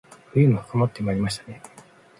冬も深まってまいりましたね